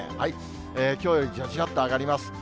きょうよりじわじわっと上がります。